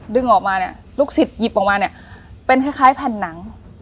ดึงออกมาเนี่ยลูกศิษย์หยิบออกมาเนี่ยเป็นคล้ายแผ่นหนัง